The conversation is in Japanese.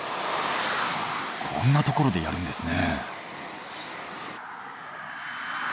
こんなところでやるんですね。